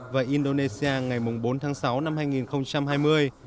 và indonesia ngày bốn tháng sáu năm hai nghìn hai mươi